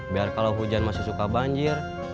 biar kalau hujan masih suka banjir